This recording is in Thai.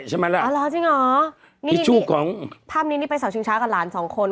ใช่ไหมล่ะอ๋อเหรอจริงเหรอนี่ลูกของภาพนี้นี่ไปเสาชิงช้ากับหลานสองคน